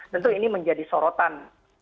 tentu ini menjadi sorotan